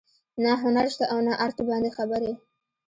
نه هنر شته او نه ارټ باندې خبرې